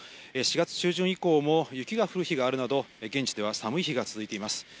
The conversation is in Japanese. ４月中旬以降も雪が降る日があるなど、現地では寒い日が続いています。